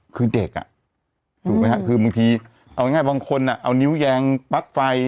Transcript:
คือเด็กอ่ะถูกไหมครับคือบางทีเอาง่ายบางคนเอานิ้วแยงปลั๊กไฟ